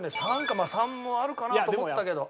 ３かまあ３もあるかなと思ったけど。